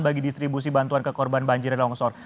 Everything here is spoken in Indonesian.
bagi distribusi bantuan kekorban banjir yang longsor